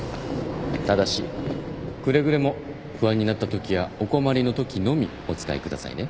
ただしくれぐれも不安になったときやお困りのときのみお使いくださいね